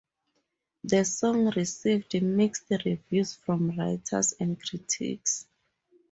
The song received mixed reviews from writers and critics.